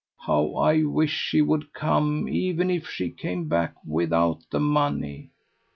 How I wish she would come, even if she came back without the money!"